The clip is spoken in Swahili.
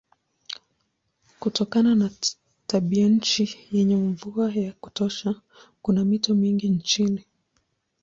Kutokana na tabianchi yenye mvua ya kutosha kuna mito mingi nchini.